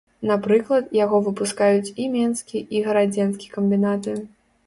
Напрыклад, яго выпускаюць і менскі, і гарадзенскі камбінаты.